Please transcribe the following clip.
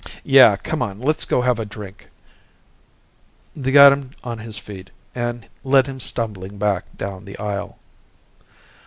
"Yeah. Come on, let's go have a drink." They got him on his feet, and led him stumbling back down the aisle.